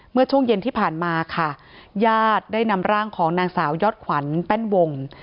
เมื่อช่วงเย็นที่ผ่านมาค่ะญาติได้นำร่างของนางสาวยอดขวัญแป้นวง